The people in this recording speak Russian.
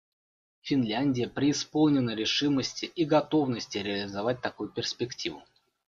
Финляндия преисполнена решимости и готовности реализовать такую перспективу.